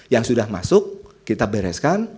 yang sudah masuk kita bereskan